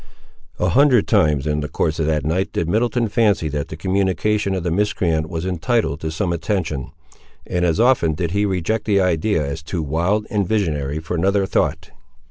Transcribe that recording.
A hundred times in the course of that night did Middleton fancy that the communication of the miscreant was entitled to some attention, and as often did he reject the idea as too wild and visionary for another thought.